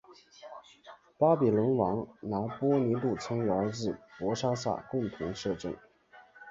巴比伦王拿波尼度曾与儿子伯沙撒共同摄政。